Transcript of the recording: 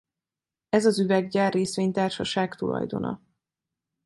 Ez az Üveggyár Részvénytársaság tulajdona.